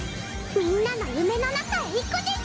みんなの夢の中へ行くです。